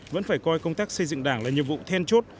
vẫn phải coi công tác xây dựng đảng là nhiệm vụ then chốt